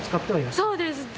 そうです。